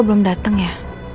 belum datang ya